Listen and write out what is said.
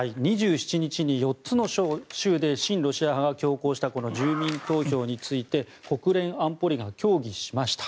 ２７日に４つの州で親ロシア派が強行したこの住民投票について国連安保理が協議しました。